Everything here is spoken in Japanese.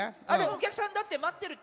おきゃくさんだってまってるって。